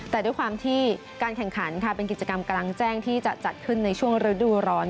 แต่ด้วยความที่การแข่งขันเป็นกิจกรรมกลางแจ้งที่จะจัดขึ้นในช่วงฤดูร้อน